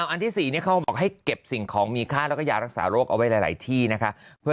อันที่๔เขาบอกให้เก็บสิ่งของมีค่าแล้วก็ยารักษาโรคเอาไว้หลายที่นะคะ